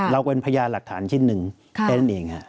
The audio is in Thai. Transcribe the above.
เราเป็นพยานหลักฐานชิ้นหนึ่งแค่นั้นเอง